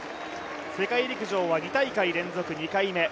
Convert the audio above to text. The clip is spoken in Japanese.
世界陸上は２大会連続２回目。